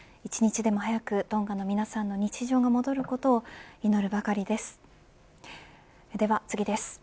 １日でも早くトンガの皆さんの日常が戻ることを祈るばかりです。